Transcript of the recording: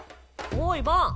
おいバン。